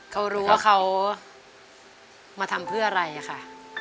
เขารู้ว่าเขามาทำเพื่ออะไรค่ะ